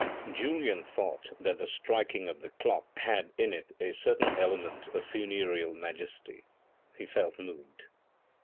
Julien thought that the striking of the clock had in it a certain element of funereal majesty. He felt moved.